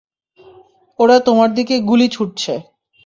ওরা তোমার দিকে গুলি ছুঁড়ছে।